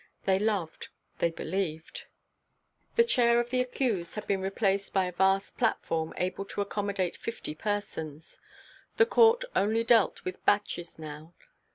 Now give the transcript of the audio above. They loved, they believed. The chair of the accused had been replaced by a vast platform able to accommodate fifty persons; the court only dealt with batches now.